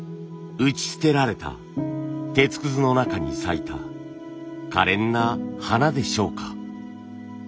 打ち捨てられた鉄くずの中に咲いたかれんな花でしょうか。